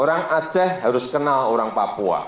orang aceh harus kenal orang papua